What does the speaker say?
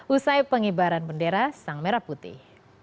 usai pengibaran bendera sang merah putih